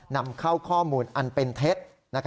นำเข้าข้อมูลอันเป็นเท็จ